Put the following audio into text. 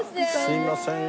すいません。